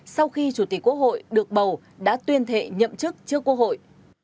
sau khi chủ tịch quốc hội được bầu đã tuyên thệ nhậm chức trước quốc hội